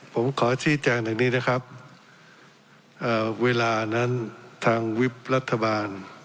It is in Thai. ผมขอชี้แจงอย่างนี้นะครับเวลานั้นทางวิบรัฐบาล